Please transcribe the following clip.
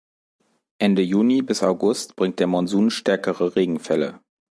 Ende Juni bis August bringt der Monsun stärkere Regenfälle.